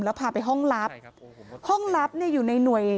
แล้วพาไปห้องลับห้องลับเนี่ยอยู่ในหน่วย